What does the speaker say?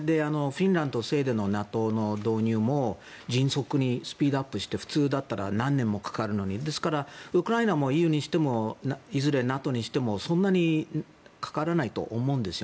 フィンランド、スウェーデンのＮＡＴＯの導入も迅速にスピードアップして普通だったら何年もかかるのにですから、ウクライナもＥＵにしてもＮＡＴＯにしてもそんなにかからないと思うんです。